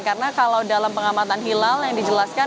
karena kalau dalam pengamatan hilal yang dijelaskan